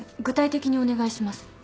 具体的にお願いします。